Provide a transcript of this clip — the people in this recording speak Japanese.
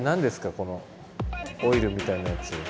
このオイルみたいなやつ。